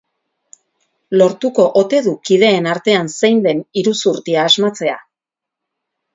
Lortuko ote du kideen artean zein den iruzurtia asmatzea?